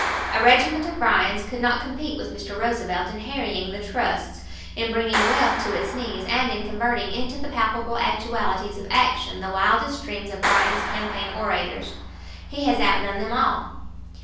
A regiment of Bryans could not compete with Mr. Roosevelt in harrying the trusts, in bringing wealth to its knees, and in converting into the palpable actualities of action the wildest dreams of Bryan's campaign orators. He has outdone them all.